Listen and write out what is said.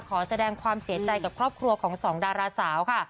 ขอแสดงความเสียใจกับครอบครัวของสองดาราสาวค่ะ